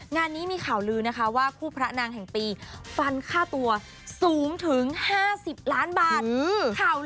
งานนี้มีข่าวลือนะคะว่าคู่พระนางแห่งปีฟันค่าตัวสูงถึง๕๐ล้านบาท